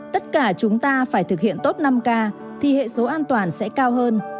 tất cả chúng ta phải thực hiện tốt năm k thì hệ số an toàn sẽ cao hơn